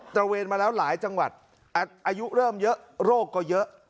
ระเวนมาแล้วหลายจังหวัดอายุเริ่มเยอะโรคก็เยอะ